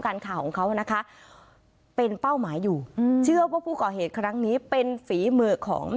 การข่าวของเขาเป็นเป้าหมายอยู่เชื่อว่าผู้ก่อเหตุครั้งนี้เป็นฝีเมล็กของ